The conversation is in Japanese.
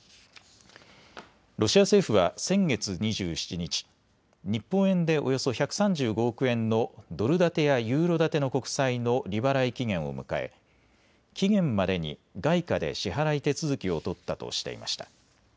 ロシア政府は先月２７日、日本円でおよそ１３５億円のドル建てやユーロ建ての国債の利払い期限を迎え期限までに外貨で支払い手続きを取ったとしていました。